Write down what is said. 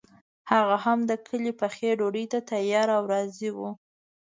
هغه هم د کلي پخې ډوډۍ ته تیار او راضي وو.